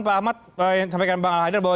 pak ahmad yang sampaikan bang al haidar bahwa